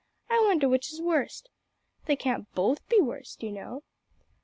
I wonder which is worst. They can't both be worst, you know!"